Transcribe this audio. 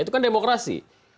itu kan demokrasi